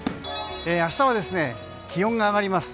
明日は気温が上がります。